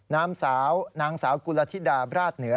นางสาวนางสาวกุลธิดาบราชเหนือ